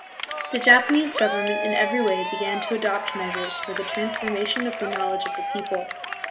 The Japanese Government in every way began to adopt measures for the transformation of the knowledge of the people.